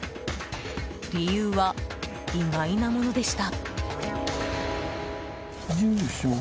理由は意外なものでした。